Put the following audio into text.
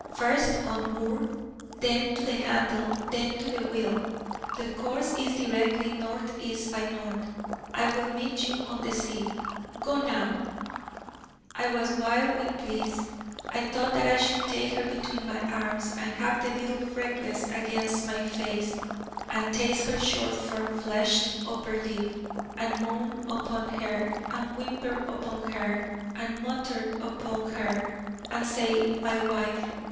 First unmoor, then to the handle, then to the wheel. The course is directly North East by North. I will meet you on the sea go now ' I was wild with bliss. I thought that I should take her between my arms, and have the little freckles against my face, and taste her short firm fleshed upper lip, and moan upon her, and whimper upon her, and mutter upon her, and say 'My wife.'